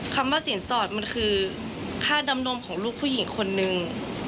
คำว่าสินสอดมันคือค่าดำนมของลูกผู้หญิงคนนึง